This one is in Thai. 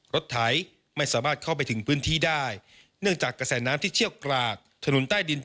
รถไถไม่สามารถเข้าไปถึงพื้นที่ได้